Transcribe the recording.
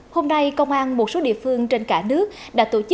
hôm nay công an một số địa phương trên cả nước đã tổ chức một bộ phòng thông tin